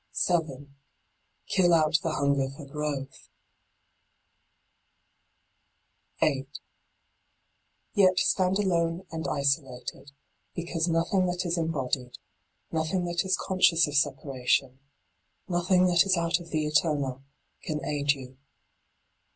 7. Kill out the hunger for growth. 8. Yet stand alone and isolated, because nothing that is embodied, nothing that is con scious of separation, nothing that is out of the eternal, can aid you.